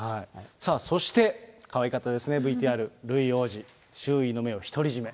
さあそして、かわいかったですね、ＶＴＲ、ルイ王子、周囲の目を独り占め。